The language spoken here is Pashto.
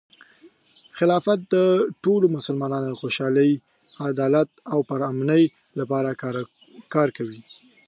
خلافت د ټولو مسلمانانو د خوشحالۍ، عدالت، او پرامنۍ لپاره کار کوي.